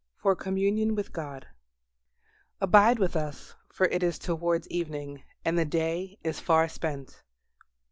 FOR COMMUNION WITH GOD. "Abide with us; for it is towards evening, and the day is far spent."